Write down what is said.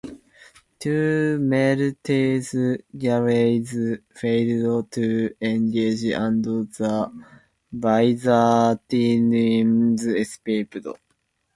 Two Maltese galleys failed to engage and the Bizertines escaped.